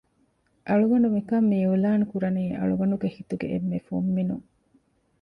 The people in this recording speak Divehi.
އަޅުގަނޑު މިކަން މިއިއުލާންކުރަނީ އަޅުގަނޑުގެ ހިތުގެ އެންމެ ފުންމިނުން